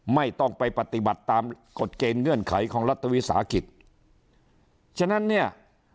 ไม่ต้องไปปฏิบัติตามกฎเกณฑ์เงื่อนไขของรัฐวิสาหกิจฉะนั้นเนี่ย